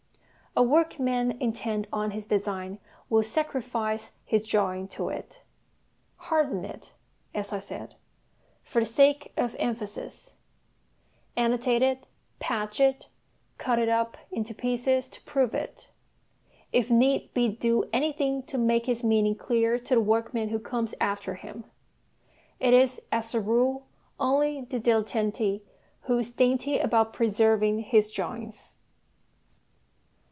A workman intent on his design will sacrifice his drawing to it harden it, as I said, for the sake of emphasis, annotate it, patch it, cut it up into pieces to prove it, if need be do anything to make his meaning clear to the workman who comes after him. It is as a rule only the dilettante who is dainty about preserving his drawings.